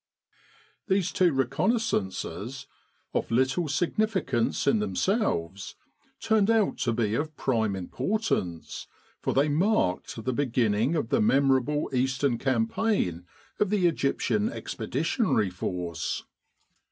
These two reconnaissances, of little significance in 94 Kantara and Katia themselves, turned out to be of prime importance, for they marked the beginning of the memorable Eastern Campaign of the Egyptian Expeditionary Force.